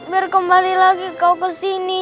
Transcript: biar kembali lagi kau kesini